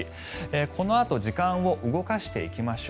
このあと時間を動かしていきましょう。